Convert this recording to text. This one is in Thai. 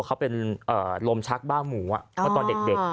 เขาเป็นลมชักบ้าหมูเมื่อตอนเด็ก